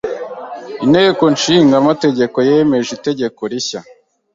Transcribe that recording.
Inteko ishinga amategeko yemeje itegeko rishya.